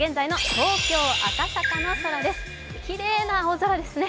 きれいな青空ですね。